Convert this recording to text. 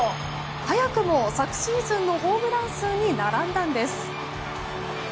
早くも昨シーズンのホームラン数に並んだんです。